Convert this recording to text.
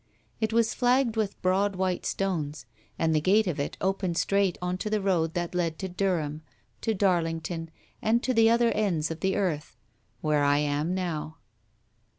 It was flagged with broad white stones, and the gate of it opened straight on to the road that led to. Durham, to Darlington, and to the other ends of the earth, where I am now.